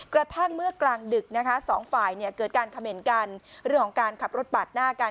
กระทั่งเมื่อกลางดึกนะคะสองฝ่ายเกิดการเขม่นกันเรื่องของการขับรถปาดหน้ากัน